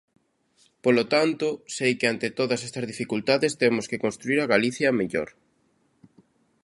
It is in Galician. Polo tanto, sei que ante todas estas dificultades temos que construír a Galicia mellor.